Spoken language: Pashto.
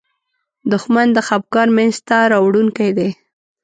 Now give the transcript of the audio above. دښمن د خپګان مینځ ته راوړونکی دی